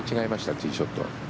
ティーショット。